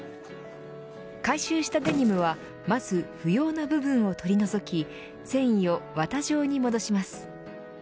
回収したデニムはまず不要な部分を取り除き繊維を綿状に戻します。